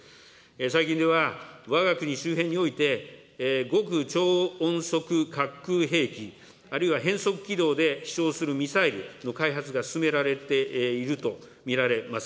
最近では、わが国周辺において、極超音速滑空兵器、あるいは変則軌道で飛しょうするミサイル開発が進められていると見られます。